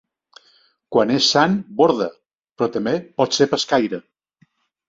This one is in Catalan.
Quan és sant borda, però també pot ser pescaire.